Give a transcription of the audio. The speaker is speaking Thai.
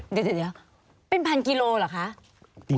เดี๋ยวเป็นพันกิโลเหรอคะ